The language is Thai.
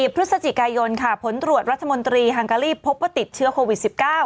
พฤศจิกายนค่ะผลตรวจรัฐมนตรีฮังการีพบว่าติดเชื้อโควิด๑๙